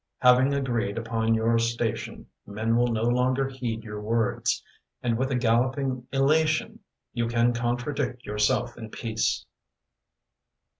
Having agreed upon your station, Men will no longer heed your words, And with a galloping elation You can contradict yourself in peace.